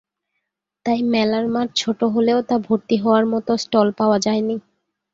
তাই মেলার মাঠ ছোটো হলেও তা ভরতি হওয়ার মতো স্টল পাওয়া যায়নি।